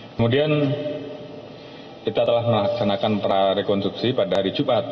kemudian kita telah melaksanakan prarekonstruksi pada hari jumat